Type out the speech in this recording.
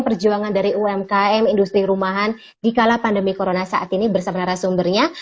perjuangan dari umkm industri rumahan di kala pandemi corona saat ini bersama narasumbernya